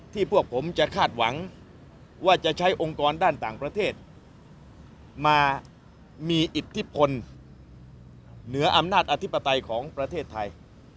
พวกผมจะคาดหวังว่าจะใช้องค์กรด้านต่างประเทศมามีอิทธิพลเหนืออำนาจอธิปไตยของประเทศไทย